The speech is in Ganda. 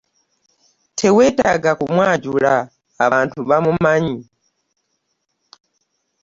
Teweetaaga kumwanjula abantu bamumanyi.